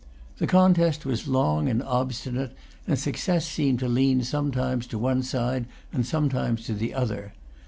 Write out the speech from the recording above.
The contest was long and obstinate, and success seemed to lean sometimes to one side and sometimes to the other.